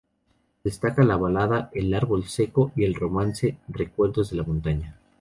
Destaca la balada "El árbol seco" y el romance "Recuerdos de la montaña".